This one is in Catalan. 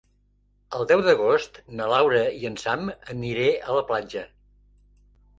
El deu d'agost na Laura i en Sam aniré a la platja.